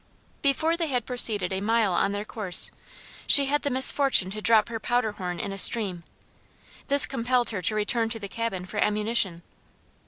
Before they had proceeded a mile on their course she had the misfortune to drop her powder horn in a stream: this compelled her to return to the cabin for ammunition.